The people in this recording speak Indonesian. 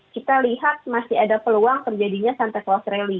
kita lihat masih ada peluang terjadinya santarelli